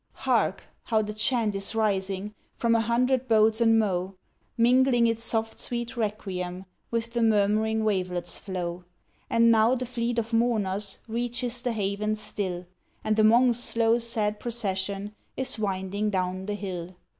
Hark! how the chant is rising From a hundred boats and mo', Mingling its soft sweet requiem, With the murmuring wavelet's flow. And now the fleet of mourners Reaches the haven still, And th' Monks' slow, sad procession Is winding down the hill.